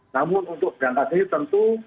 namun untuk berangkat ini tentu